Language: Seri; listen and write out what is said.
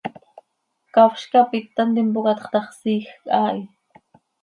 Ccafz cap it hant impoocatx ta x, siijc haa hi.